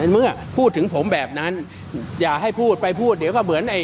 เมื่อพูดถึงผมแบบนั้นอย่าให้พูดไปพูดเดี๋ยวก็เหมือนไอ้